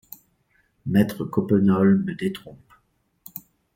Maître Coppenole me détrompe.